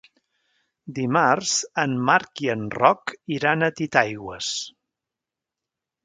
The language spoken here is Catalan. Dimarts en Marc i en Roc iran a Titaigües.